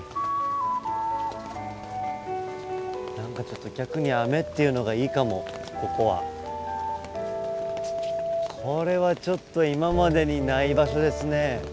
何かちょっと逆に雨っていうのがいいかもここは。これはちょっと今までにない場所ですね。